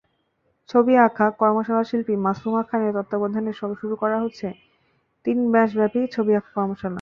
ছবি আঁকা কর্মশালাশিল্পী মাসুমা খানের তত্ত্বাবধানে শুরু হচ্ছে তিন মাসব্যাপী ছবি আঁকা কর্মশালা।